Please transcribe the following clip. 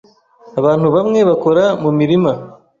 Abantu bamwe bakora mumirima.